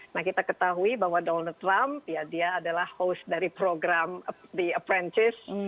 nah kita ketahui bahwa donald trump ya dia adalah host dari program the apprancis